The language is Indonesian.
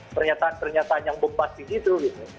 pernyataan pernyataan yang bengpas di situ